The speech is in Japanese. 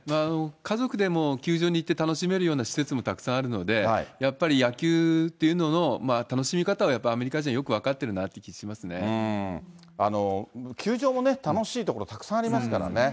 家族でも球場に行って楽しめるような施設もたくさんあるので、やっぱり野球というのの楽しみ方をやっぱりアメリカ人はよく分か球場もね、楽しいとこたくさんありますからね。